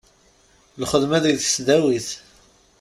Lxedma deg tesdawit;